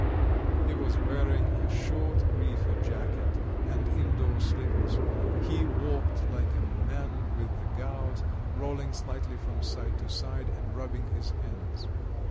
..." He was wearing a short reefer jacket and indoor slippers; he walked like a man with the gout, rolling slightly from side to side and rubbing his hands.